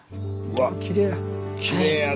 うわっきれいや。